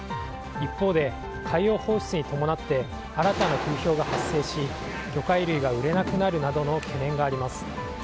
一方で海洋放出に伴って新たな風評が発生し魚介類が売れなくなるなどの懸念があります。